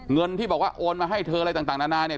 เงินที่บอกว่าโอนมาให้เธออะไรต่างนานาเนี่ย